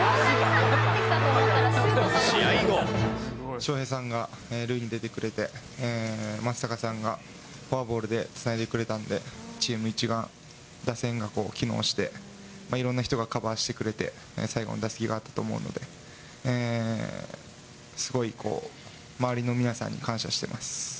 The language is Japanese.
翔平さんが塁に出てくれて、正尚さんがフォアボールでつないでくれたんで、チーム一丸、打線が機能して、いろんな人がカバーしてくれて、最後の打席があったと思うので、すごいこう、周りの皆さんに感謝してます。